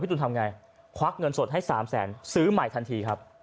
ตูนทำไงควักเงินสดให้๓แสนซื้อใหม่ทันทีครับ